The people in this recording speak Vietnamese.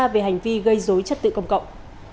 về hành vi gây dối chất tự công cộng